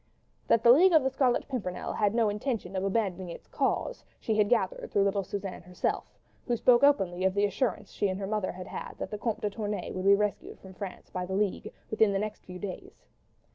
That the League of the Scarlet Pimpernel had no intention of abandoning its cause, she had gathered through little Suzanne herself, who spoke openly of the assurance she and her mother had had that the Comte de Tournay would be rescued from France by the league, within the next few days.